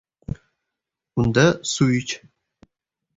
«Unda, suv ich».